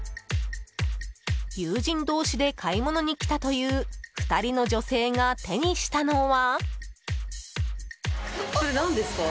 友人同士で買い物に来たという２人の女性が手にしたのは。